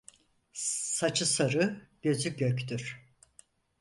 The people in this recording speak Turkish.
Saçı sarı gözü göktür.